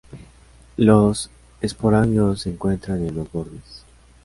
Los esporangios se encuentran en los bordes.